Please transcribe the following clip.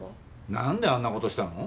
何であんなことしたの？